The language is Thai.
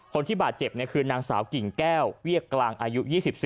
คนที่บาดเจ็บคือนางสาวกิ่งแก้วเวียดกลางอายุ๒๔